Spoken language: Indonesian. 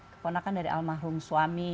keponakan dari almarhum suami